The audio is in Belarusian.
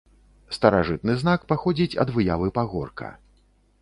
Старажытны знак паходзіць ад выявы пагорка.